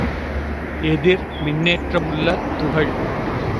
எதிர் மின்னேற்றமுள்ள துகள்.